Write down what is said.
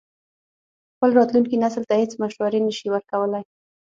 خپل راتلونکي نسل ته هېڅ مشورې نه شي ورکولای.